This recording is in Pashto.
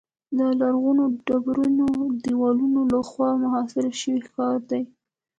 د لرغونو ډبرینو دیوالونو له خوا محاصره شوی ښار دی.